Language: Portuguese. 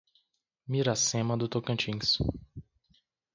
Miracema do Tocantins